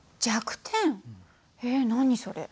えっ何それ？